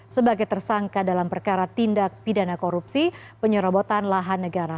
sebagai tersangka dalam perkara tindak pidana korupsi penyerobotan lahan negara